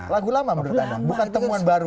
lagu lama menurut anda bukan temuan baru